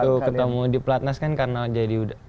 iya waktu ketemu di platnas kan karena jadi udah udah kembali